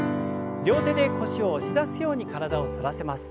両手で腰を押し出すように体を反らせます。